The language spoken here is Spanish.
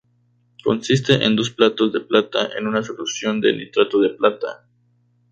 Consiste en dos platos de plata en una solución de nitrato de plata.